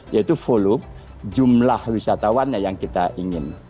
yaitu follow jumlah wisatawannya yang kita ingin